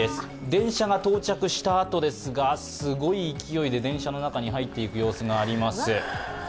電車が到着したあとですが、すごい勢いで電車の中に入っていく様子があります。